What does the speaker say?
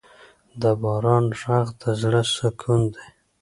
د باران ږغ د زړه سکون دی.